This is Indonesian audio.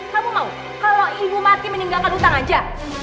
kamu mau kalau ibu mati meninggalkan utang aja